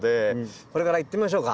これから行ってみましょうか。